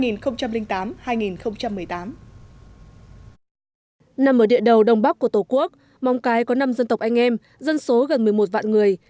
nằm ở địa đầu đông bắc của tổ quốc móng cái có năm dân tộc anh em dân số gần một mươi một vạn người